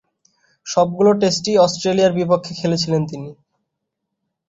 সবগুলো টেস্টই অস্ট্রেলিয়ার বিপক্ষে খেলেছিলেন তিনি।